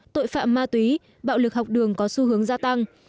tội phạm ma túy bạo lực học đường có xu hướng gia tăng